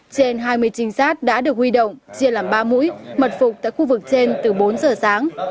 trên hai mươi trinh sát đã được huy động chia làm ba mũi mật phục tại khu vực trên từ bốn giờ sáng